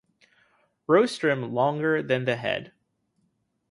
Rostrum longer than the head.